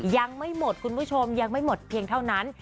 ยังไม่หมดคุณผู้ชมยังไม่หมดเพียงเท่านั้น